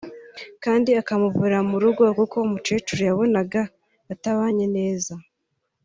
kandi akamuvira mu rugo kuko umukecuru yabonaga batabanye neza